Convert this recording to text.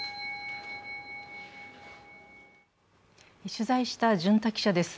取材した巡田記者です。